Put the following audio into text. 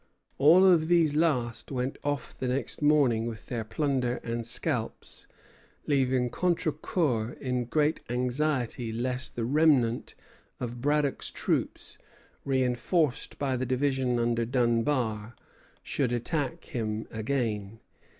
All of these last went off the next morning with their plunder and scalps, leaving Contrecœur in great anxiety lest the remnant of Braddock's troops, reinforced by the division under Dunbar, should attack him again.